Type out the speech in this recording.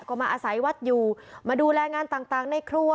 ก็มาอาศัยวัดอยู่มาดูแลงานต่างในครัว